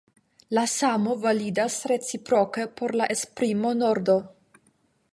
La samo validas reciproke por la esprimo Nordo.